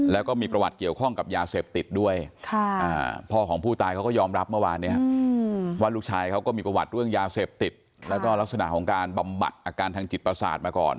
แล้วก็มีประวัติเกี่ยวข้องกับยาเสพติดด้วยพ่อของผู้ตายเขาก็ยอมรับเมื่อวานเนี่ยว่าลูกชายเขาก็มีประวัติเรื่องยาเสพติดแล้วก็ลักษณะของการบำบัดอาการทางจิตประสาทมาก่อน